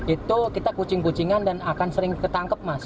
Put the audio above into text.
itu kita kucing kucingan dan akan sering ketangkep mas